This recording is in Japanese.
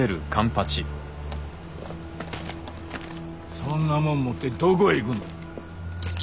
そんなもん持ってどこへ行くんだ。